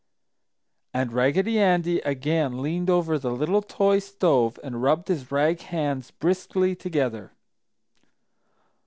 And Raggedy Andy again leaned over the little toy stove and rubbed his rag hands briskly together.